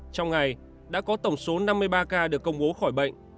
trong ngày đã có tổng số năm mươi ba ca được công bố khỏi bệnh